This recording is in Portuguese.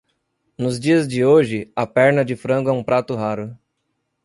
Nos dias de hoje, a perna de frango é um prato raro.